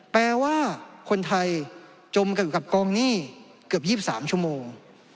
แปลว่าคนไทยจมอยู่กับกองหนี้เกือบ๒๓ชั่วโมง